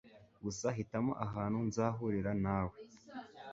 Gusa hitamo ahantu nzahurira nawe.